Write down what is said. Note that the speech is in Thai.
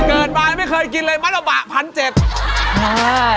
เกิดมาไม่เคยกินเลยมาตรวบะ๑๗๐๐